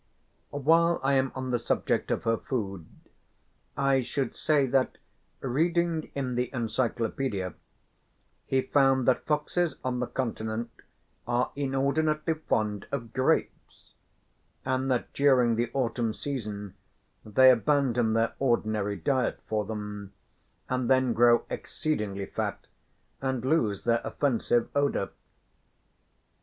While I am on the subject of her food, I should say that reading in the encyclopedia he found that foxes on the Continent are inordinately fond of grapes, and that during the autumn season they abandon their ordinary diet for them, and then grow exceedingly fat and lose their offensive odour.